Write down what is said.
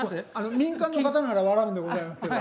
民間の方なら笑うんでございますけど。